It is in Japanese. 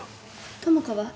友果は？